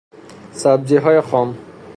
سبزیهای خام